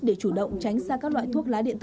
để chủ động tránh xa các loại thuốc lá điện tử